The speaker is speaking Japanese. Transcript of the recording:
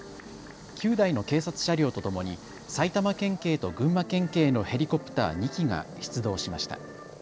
９台の警察車両とともに埼玉県警と群馬県警のヘリコプター２機が出動しました。